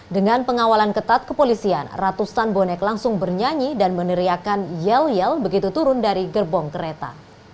dengan pengawalan ketat kepolisian ratusan bonek langsung bernyanyi dan meneriakan yel yel begitu turun dari gerbong kereta